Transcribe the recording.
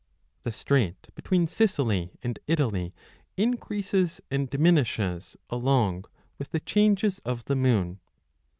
The strait between Sicily and Italy increases and dimin 55 ishes along with the changes of the moon.